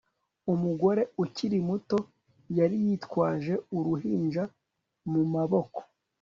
Umugore ukiri muto yari yitwaje uruhinja mu maboko